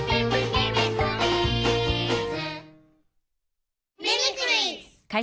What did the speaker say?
ミミクリーズ！